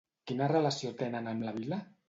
Quina relació tenen amb la vila?